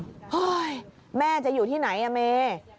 เฮ้ยแม่จะอยู่ที่ไหนอ่ะเม